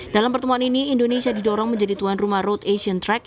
dalam pertemuan ini indonesia didorong menjadi tuan rumah road asian track